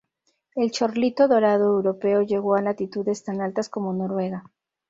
El chorlito dorado europeo llegó a latitudes tan altas como Noruega.